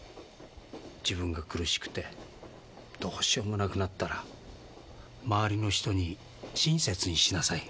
自分が苦しくてどうしようもなくなったら周りの人に親切にしなさい。